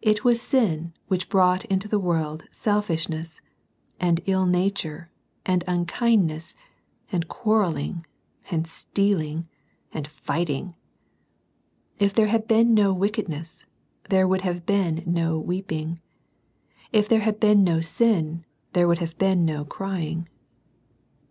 It was sin which brought into the world selfishness, and ill nature, and unkindness, and quarrelling, and stealing, and fighting. If there had been no wickedness, there would have been no weeping. If there had been no sin, there would have been no " crying."